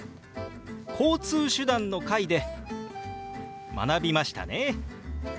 「交通手段」の回で学びましたね。